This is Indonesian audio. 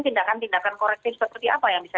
tindakan tindakan korektif seperti apa yang bisa